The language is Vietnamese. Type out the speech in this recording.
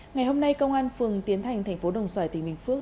ngày hôm nay công an phường tiến thành tp đồng xoài tp minh phước